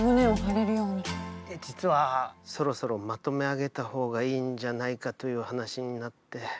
実はそろそろまとめ上げたほうがいいんじゃないかという話になって。